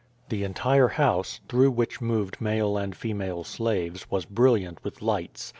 The en tire house, through which moved male and female slaves, was brilliant with lights.